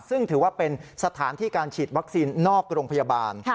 ซึ่งถือว่าเป็นสถานที่การฉีดวัคซีนนอกโรงพยาบาล